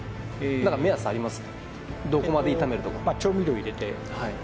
何か目安あります？